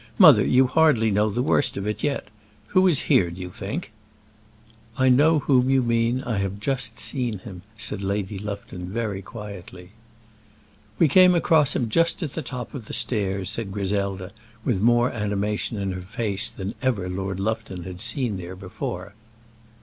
"Mother, you hardly know the worst of it yet. Who is here, do you think?" "I know whom you mean; I have seen him," said Lady Lufton, very quietly. "We came across him just at the top of the stairs," said Griselda, with more animation in her face than ever Lord Lufton had seen there before.